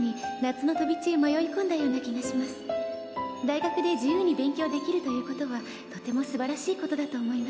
「大学で自由に勉強できるということはとても素晴らしいことだと思います」